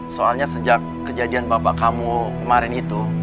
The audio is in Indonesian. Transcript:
soalnya sejak kejadian bapak kamu kemarin itu